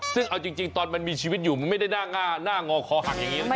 ซึ่งเอาจริงตอนมันมีชีวิตอยู่มันไม่ได้หน้างอคอหักอย่างนี้นะ